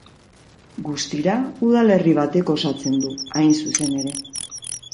Guztira udalerri batek osatzen du, hain zuzen ere.